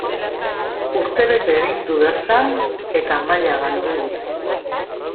Urtebete egin du bertan eta maila galdu du.